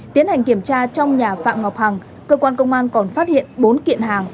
tiến hành kiểm tra trong nhà phạm ngọc hằng cơ quan công an còn phát hiện bốn kiện hàng